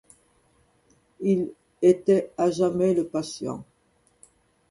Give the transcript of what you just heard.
Il était à jamais le patient.